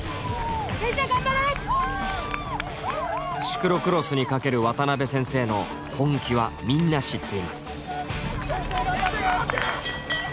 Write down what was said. シクロクロスにかける渡辺先生の本気はみんな知っています。